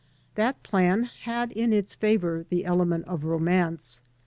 That plan had in its favor the element of romance.